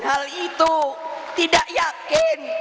hal itu tidak yakin